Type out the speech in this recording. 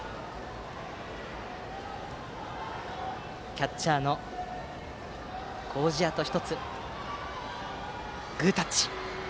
キャッチャーの麹家と１つ、グータッチ。